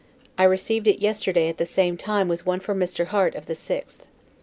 I received it yesterday at the same time with one from Mr. Harts of the 6th.